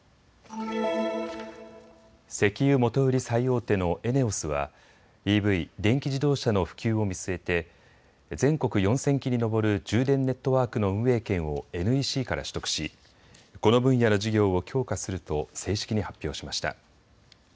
石油元売り最大手のＥＮＥＯＳはＥＶ・電気自動車の普及を見据えて全国４０００基に上る充電ネットワークの運営権をＮＥＣから取得しこの分野の事業を強化すると正式に発表しました。